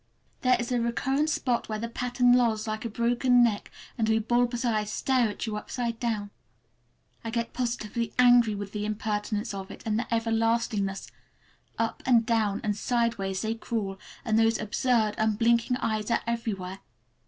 There is a recurrent spot where the pattern lolls like a broken neck and two bulbous eyes stare at you upside down. I get positively angry with the impertinence of it and the everlastingness. Up and down and sideways they crawl, and those absurd, unblinking eyes are everywhere.